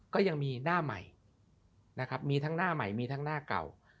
ก็ยังมีหน้าใหม่นะครับมีทั้งหน้าใหม่มีทั้งหน้าเก่า